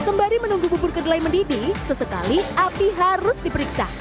sembari menunggu bubur kedelai mendidih sesekali api harus diperiksa